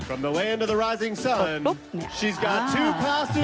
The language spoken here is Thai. ปุ๊บปุ๊บ